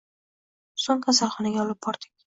So`ng kasalxonaga olib bordik